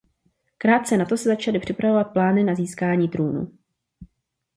Krátce nato se začaly připravovat plány na získání trůnu.